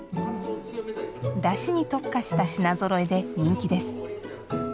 だしに特化した品ぞろえで人気です。